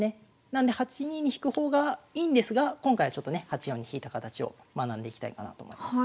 なので８二に引く方がいいんですが今回はちょっとね８四に引いた形を学んでいきたいかなと思います。